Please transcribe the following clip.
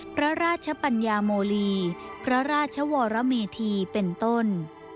พระราชปัญญาโมลีพระราชวรเมธีเป็นต้น